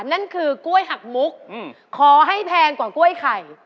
นั่นคือกล้วยหักมุกขอให้แพงกว่ากล้วยไข่